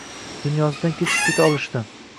Dunyosidan kechib keta olishdi.